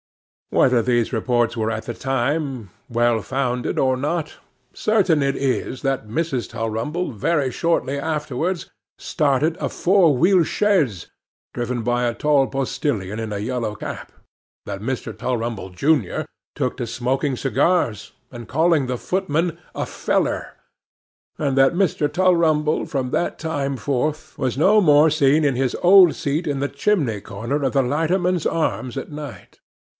Whether these reports were at the time well founded, or not, certain it is that Mrs. Tulrumble very shortly afterwards started a four wheel chaise, driven by a tall postilion in a yellow cap,—that Mr. Tulrumble junior took to smoking cigars, and calling the footman a 'feller,'—and that Mr. Tulrumble from that time forth, was no more seen in his old seat in the chimney corner of the Lighterman's Arms at night.